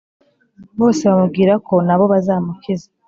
”. bose bamubwira ko na bo bazamukiza